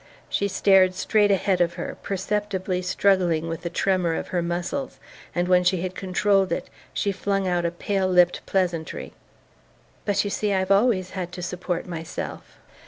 She stared straight ahead of her, perceptibly struggling with the tremor of her muscles; and when she had controlled it she flung out a pale lipped pleasantry. "But you see I've always had to support myself!"